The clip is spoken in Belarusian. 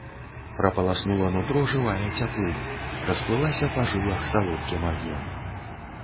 Прапаласнула нутро жывая цяплынь, расплылася па жылах салодкім агнём.